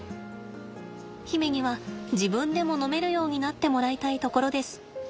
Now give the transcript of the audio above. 媛には自分でも飲めるようになってもらいたいところです。